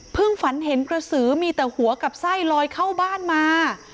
ฝันเห็นกระสือมีแต่หัวกับไส้ลอยเข้าบ้านมา